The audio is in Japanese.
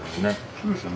そうですね。